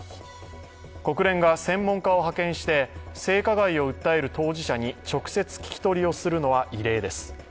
国連が専門家を派遣して性加害を訴える当事者に直接聞き取りをするのは異例です。